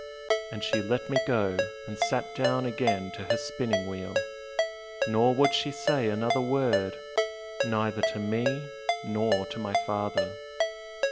And she let me go, and sat down again to her spinning wheel, nor would she say another word neither to me nor to my father."